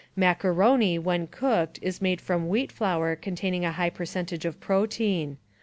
Macaroni when cooked is made from wheat flour containing a high percentage of protein.